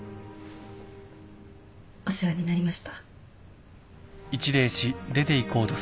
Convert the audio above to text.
お世話になりました。